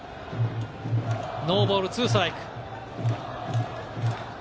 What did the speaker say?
ノーボール２ストライク。